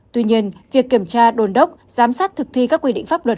tuy nhiên việc kiểm tra đồn đốc giám sát thực thi các quy định pháp luật